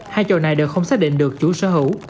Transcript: hai trò này đều không xác định được chủ sở hữu